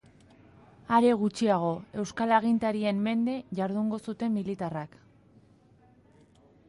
Are gutxiago, euskal agintarien mende jardungo zuten militarrak.